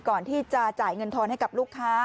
ก่อนที่จะจ่ายเงินทอนให้กับลูกค้า